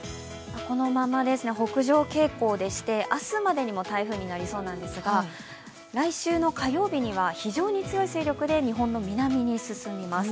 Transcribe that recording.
このまま北上傾向でして明日までに台風になりそうなんですが来週の火曜日には非常に強い勢力で日本の南に進みます。